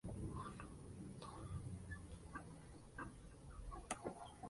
El Departamento Central se caracteriza por poseer una actividad industrial diversa e intensa.